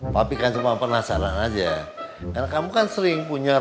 papi gak usah curiga